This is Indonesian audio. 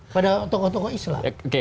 pada tokoh tokoh islam